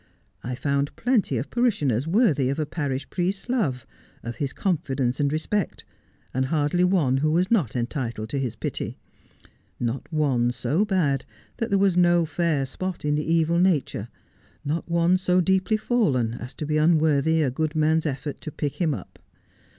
I found plenty of parishioners worthy of a parish priest's love, of his confidence and respect, and hardly one who was not entitled to his pity ; not one so bad that there was no fair spot in the evil nature ; not one so deeply fallen aa to be unworthy a good man's effort to pick him up.